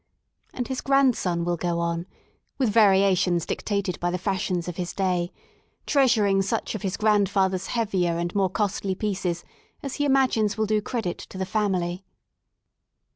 And his grandson will go on — with variations dictated by the Fashions of his day — treasuring such of his grand father's heavier and more costly pieces as he imagines will do credit to the family.